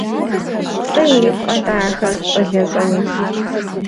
ЛӀы ирикъукъэ-тӀэ ахэр, щӀалэщӀэми!